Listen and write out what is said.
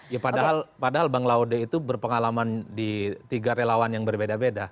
ya padahal bang laude itu berpengalaman di tiga relawan yang berbeda beda